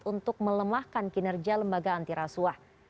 untuk melemahkan kinerja lembaga antirasuah